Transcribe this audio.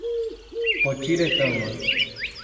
Potiretama